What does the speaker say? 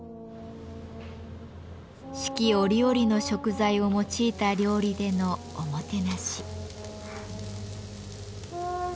四季折々の食材を用いた料理でのおもてなし。